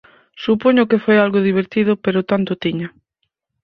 Supoño que foi algo divertido pero tanto tiña.